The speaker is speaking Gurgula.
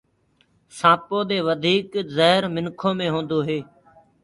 سآنٚپو دي وڌيڪ جهر منکو مي هونٚدوئي